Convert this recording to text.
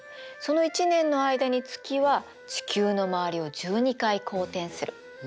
その１年の間に月は地球の周りを１２回公転する。